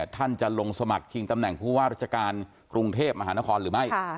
ท่านจะลงสมัครชิงตำแหน่งผู้ว่าราชการกรุงเทพมหานครหรือไม่